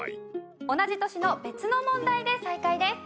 同じ年の別の問題で再開です。